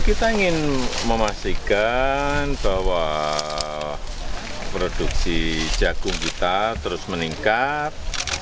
kita ingin memastikan bahwa produksi jagung kita terus meningkat